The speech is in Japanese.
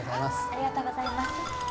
ありがとうございます。